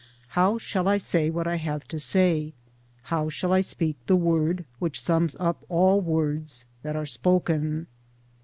How shall I say what I have to say? How shall I speak the word which sums up all words that are spoken?